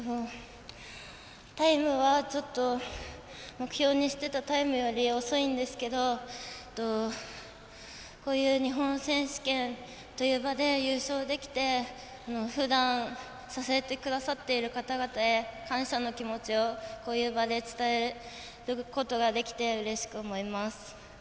タイムはちょっと目標にしていたタイムより遅いんですけどこういう日本選手権という場で優勝できてふだん支えてくださっている方々へ感謝の気持ちをこういう場で伝えることができてうれしく思います。